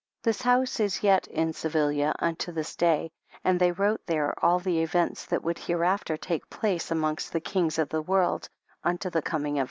This house is yet in Sevilia unto this day, and they wrote there all the events that would hereafter take place amongst the kings of the world unto the coming of our Messiah.